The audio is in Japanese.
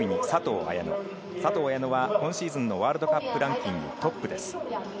佐藤綾乃は今シーズンワールドカップランキングトップです。